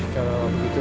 kalau waktu itu